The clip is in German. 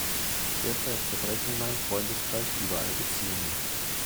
Derzeit zerbrechen in meinem Freundeskreis überall Beziehungen.